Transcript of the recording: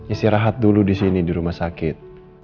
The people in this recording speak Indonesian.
istirahat dulu di sini di rumah sakit